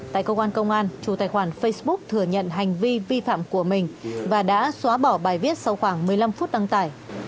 tại cơ quan công an chủ tài khoản facebook thừa nhận hành vi vi phạm của mình và đã xóa bỏ bài viết sau khoảng một mươi năm phút đăng tải